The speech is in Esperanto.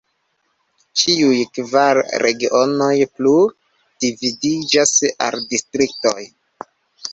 Ĉiuj kvar regionoj plu dividiĝas al distriktoj.